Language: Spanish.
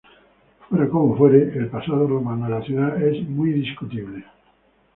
Fuera como fuere, el pasado romano de la ciudad es muy discutible.